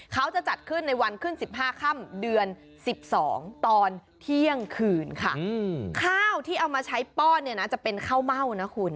เขาจะจัดขึ้นในวันขึ้น๑๕ค่ำเดือน๑๒ตอนเที่ยงคืนค่ะข้าวที่เอามาใช้ป้อนเนี่ยนะจะเป็นข้าวเม่านะคุณ